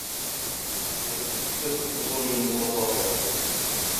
وَهِيَ سِتَّةُ فُصُولٍ مُتَفَرِّعَةٍ